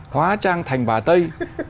hóa trang thành bà tây